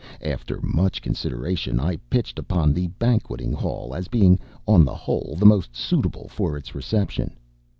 After much consideration, I pitched upon the banqueting hall as being, on the whole, most suitable for its reception.